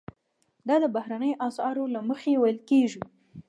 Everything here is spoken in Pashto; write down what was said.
دا د بهرنیو اسعارو له مخې ویل کیږي.